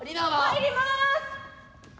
入ります。